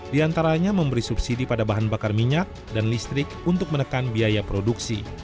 di antaranya memberi subsidi pada bahan bakar minyak dan listrik untuk menekan biaya produksi